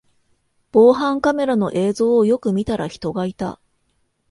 防犯カメラの映像をよく見たら人がいた